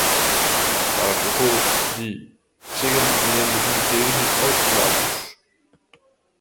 Pero Feijóo, di, segue antepoñendo os intereses partidarios.